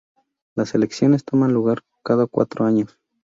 Las elecciones toman lugar cada cuatro años.